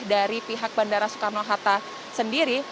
dari pihak bandara soekarno hatta sendiri